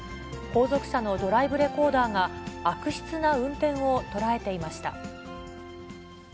後続車のドライブレコーダーが、悪質な運転を捉えていました。